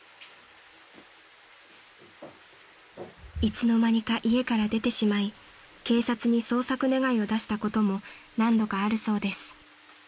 ［いつの間にか家から出てしまい警察に捜索願を出したことも何度かあるそうです］